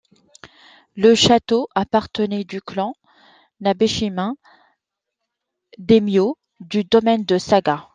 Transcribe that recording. Le château appartenait au clan Nabeshima, daimyō du domaine de Saga.